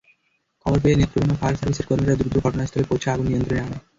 খবর পেয়ে নেত্রকোনা ফায়ার সার্ভিসের কর্মীরা দ্রুত ঘটনাস্থলে পৌঁছে আগুন নিয়ন্ত্রণে আনে।